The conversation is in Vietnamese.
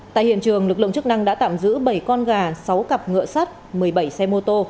tại hiện trường lực lượng chức năng đã tạm giữ bảy con gà sáu cặp ngựa sắt một mươi bảy xe mô tô